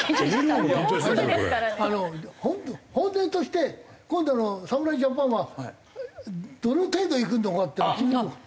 あの本音として今度の侍ジャパンはどの程度いくのかっていうの聞いてみよう。